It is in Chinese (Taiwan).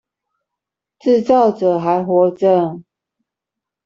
自造者還活著